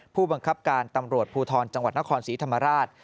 ผู้บังคับการตำรวจภูทรจังหวัดนครศรีธรรมราช